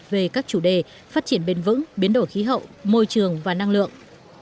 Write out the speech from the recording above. về các chủ đề phát triển bền vững biến đổi khí hậu môi trường và năng lượng